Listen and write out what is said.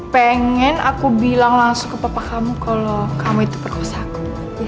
pengen aku bilang langsung ke papa kamu kalau kamu itu perkosaku